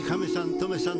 トメさん